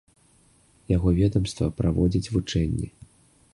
Яго ведамства праводзіць вучэнні.